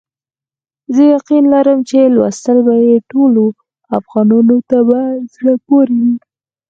زه یقین لرم چې لوستل به یې ټولو افغانانو ته په زړه پوري وي.